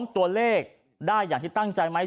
ตัวเลขได้อย่างที่ตั้งใจไหม